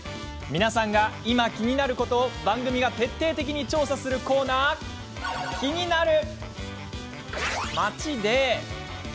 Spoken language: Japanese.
皆さんが今キニナルことを番組が徹底的に調査するコーナー「キニナル」。